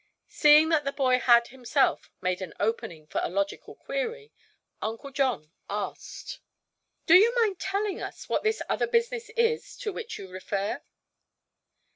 Seeing that the boy had himself made an opening for a logical query, Uncle John asked: "Do you mind telling us what this other business is, to which you refer?"